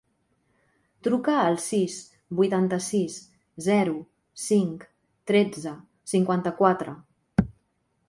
Truca al sis, vuitanta-sis, zero, cinc, tretze, cinquanta-quatre.